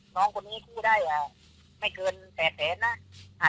น้องคนนี้คู่ได้ไม่เกิน๘แสนหัดเงินได้กบลบกบหนี้